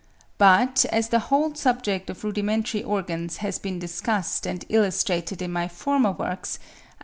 But as the whole subject of rudimentary organs has been discussed and illustrated in my former works (24.